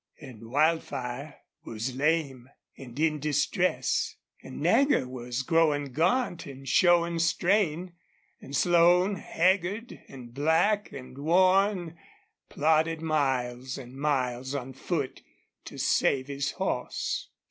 And Wildfire was lame and in distress and Nagger was growing gaunt and showing strain; and Slone, haggard and black and worn, plodded miles and miles on foot to save his horse.